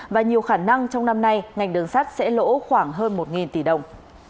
và nhiều khả năng trong năm nay ngành đường sắt sẽ lỗ khoảng hơn một tỷ đồng